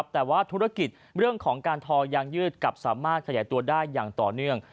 แต่ว่าธุรกิจเรื่องของการทอยางยืดกลับสามารถขยายตัวได้อย่างต่อเนื่อง